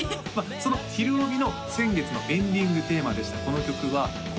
その「ひるおび」の先月のエンディングテーマでしたこの曲はＫＯ−